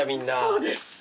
そうです。